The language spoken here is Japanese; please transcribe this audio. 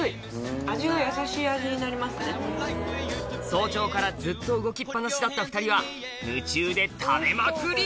早朝からずっと動きっ放しだった２人は夢中で食べまくり！